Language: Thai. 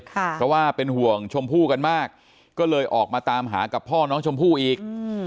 เพราะว่าเป็นห่วงชมพู่กันมากก็เลยออกมาตามหากับพ่อน้องชมพู่อีก